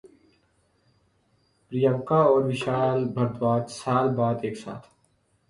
پریانکا اور وشال بھردواج سال بعد ایک ساتھ